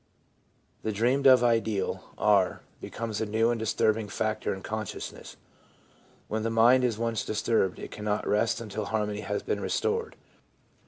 The dreamed of ideal, r, becomes a new and disturbing factor in consciousness. When the mind is once disturbed it cannot rest until harmony has been restored.